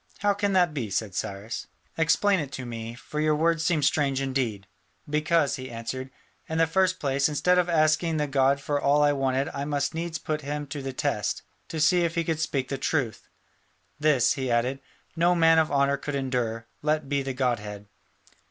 "How can that be?" said Cyrus. "Explain it to me: for your words seem strange indeed." "Because," he answered, "in the first place, instead of asking the god for all I wanted I must needs put him to the test, to see if he could speak the truth. This," he added, "no man of honour could endure, let be the godhead.